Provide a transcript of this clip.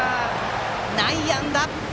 内野安打！